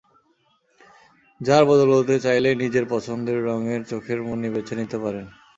যার বদৌলতে চাইলেই নিজের পছন্দের রঙের চোখের মণি বেছে নিতে পারেন।